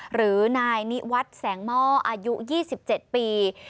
หรือนายนิวัฒน์แสงหม้ออายุยี่สิบเจ็ดปี